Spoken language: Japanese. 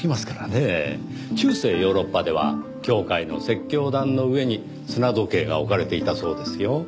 中世ヨーロッパでは教会の説教壇の上に砂時計が置かれていたそうですよ。